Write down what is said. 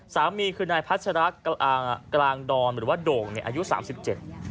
สามมีคือในพัชราะกราอะไรว่าโด่งี่อายุสามสิบเจ็ด